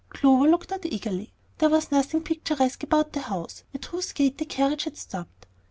Clover looked out eagerly. There was nothing picturesque about the house at whose gate the carriage had stopped.